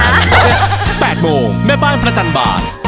๖โมงเช้า๘โมงแม่บ้านพระจันทร์บาล